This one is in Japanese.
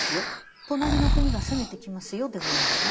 「隣の国が攻めてきますよ」でもいいんですね。